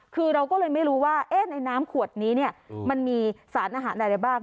คือเราก็เลยไม่รู้ว่าในน้ำขวดนี้มันมีสารอาหารอะไรบ้าง